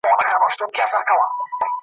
الحمدلله چي طالب العلم يو.